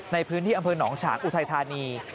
ในพื้นที่อำเภอหนองฉางอุทัยธานี